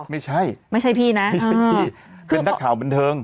อุ๊ยไม่ใช่ไม่ใช่พี่นะอื้อห่อคือเป็นนักข่าวบรรเทิง